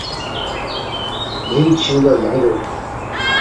明清的扬州。